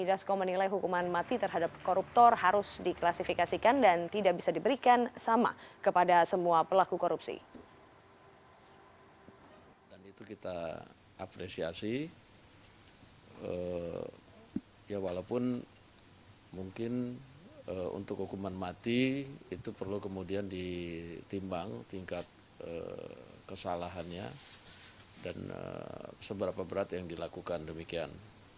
ya walaupun mungkin untuk hukuman mati itu perlu kemudian ditimbang tingkat kesalahannya dan seberapa berat yang dilakukan demikian